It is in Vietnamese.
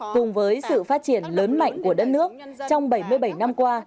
cùng với sự phát triển lớn mạnh của đất nước trong bảy mươi bảy năm qua